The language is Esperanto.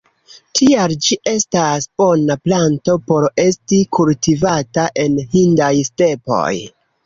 Tial ĝi estas bona planto por esti kultivata en hindaj stepoj.